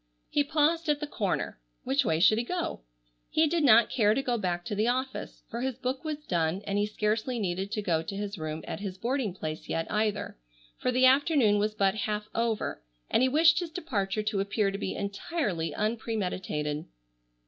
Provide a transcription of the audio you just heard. He paused at the corner. Which way should he go? He did not care to go back to the office, for his book was done, and he scarcely needed to go to his room at his boarding place yet either, for the afternoon was but half over and he wished his departure to appear to be entirely unpremeditated.